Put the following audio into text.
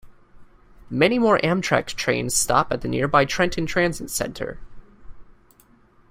Many more Amtrak trains stop at the nearby Trenton Transit Center.